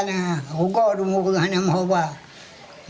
saya sudah menggunakan ini